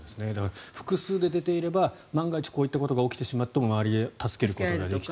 複数で出ていれば万が一、こういったことが起きてしまっても周りで助けることができた。